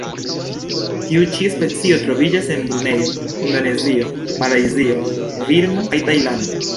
Tiu ĉi specio troviĝas en Brunejo, Indonezio, Malajzio, Birmo kaj Tajlando.